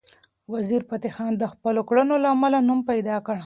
وزیرفتح خان د خپلو کړنو له امله نوم پیدا کړ.